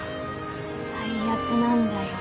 最悪なんだよ。